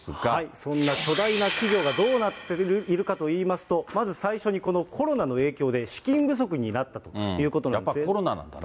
そんな巨大な企業がどうなっているかといいますと、まず最初にこのコロナの影響で、資金不足になったということなんですね。